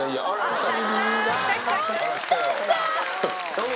どうも。